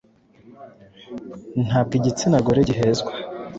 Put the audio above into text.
ntabwo igitsina gore gihezwa.